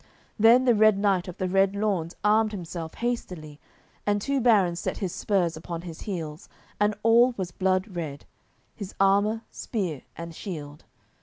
Then the Red Knight of the Red Lawns armed himself hastily, and two barons set his spurs upon his heels, and all was blood red, his armour, spear, and shield.